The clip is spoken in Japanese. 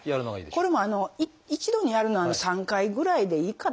これも一度にやるのは３回ぐらいでいいかと思います。